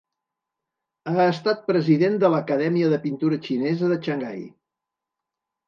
Ha estat president de l'Acadèmia de Pintura Xinesa de Xangai.